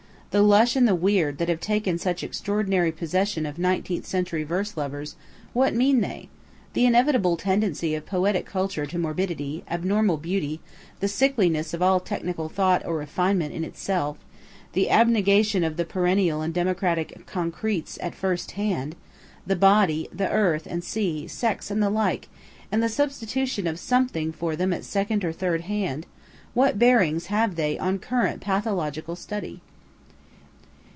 The lush and the weird that have taken such extraordinary possession of Nineteenth century verse lovers what mean they? The inevitable tendency of poetic culture to morbidity, abnormal beauty the sickliness of all technical thought or refinement in itself the abnegation of the perennial and democratic concretes at first hand, the body, the earth and sea, sex and the like and the substitution of something for them at second or third hand what bearings have they on current pathological study?